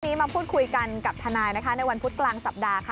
วันนี้มาพูดคุยกันกับทนายนะคะในวันพุธกลางสัปดาห์ค่ะ